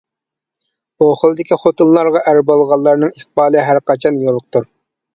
بۇ خىلدىكى خوتۇنلارغا ئەر بولغانلارنىڭ ئىقبالى ھەرقاچان يورۇقتۇر.